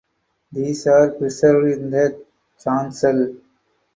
These are preserved in the chancel.